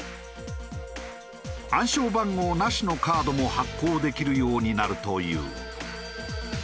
暗証番号なしのカードも発行できるようになるという。